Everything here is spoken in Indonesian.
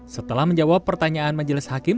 setelah menjawab pertanyaan majelis hakim